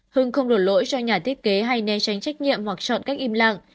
hương không đổ lỗi cho nhà thiết kế hay nè tránh trách nhiệm hoặc chọn cách im lặng